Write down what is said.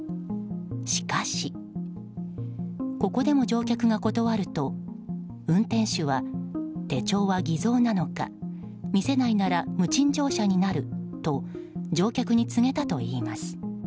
しかしここでも乗客が断ると運転手は手帳は偽造なのか見せないなら無賃乗車になると乗客に告げたといいます。